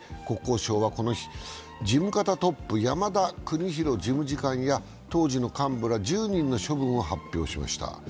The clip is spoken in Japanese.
国交省はこの日、事務方トップ、山田邦博事務次官や当時の幹部ら１０人の処分を発表しました。